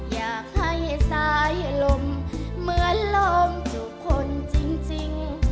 อยากให้สายลมเหมือนลมจุพลจริง